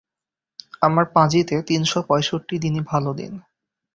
আমার পাঁজিতে তিনশো পঁয়ষট্টি দিনই ভালো দিন।